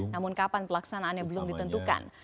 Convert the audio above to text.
namun kapan pelaksanaannya belum ditentukan